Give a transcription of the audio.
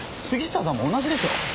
杉下さんも同じでしょう。